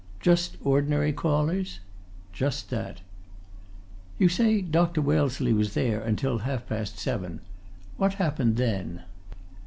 "Just ordinary callers?" "Just that." "You say Dr. Wellesley was there until half past seven. What happened then?"